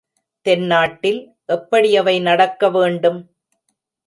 தென்னாட்டில் எப்படி அவை நடக்க வேண்டும்?